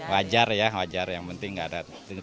wajar ya wajar yang penting nggak ada yang terlalu tinggi gitu